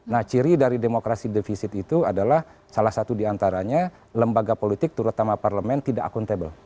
nah ciri dari demokrasi defisit itu adalah salah satu diantaranya lembaga politik terutama parlemen tidak akuntabel